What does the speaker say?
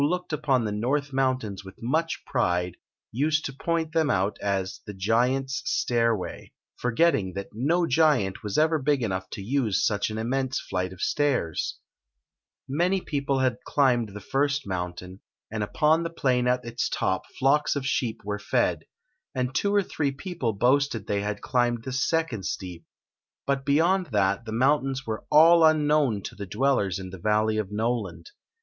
looked upon the North Mountains with much pride, used to point them out as "The Giant's Stairway, forgetting that no giant was ever big enough to use such an immense flight of stairs. 19S The Story of the Magic Cloa k 199 Many peq>le had climbed the first mountain, and upon the plain at its top flocks of sheep were fed ; and two or three people boasted they had climbed the second steep; but beyond that the mountains were all unknown to the dwellers in the valley of Noland.